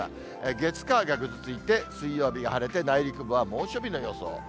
月、火がぐずついて、水曜日が晴れて、内陸部は猛暑日の予想です。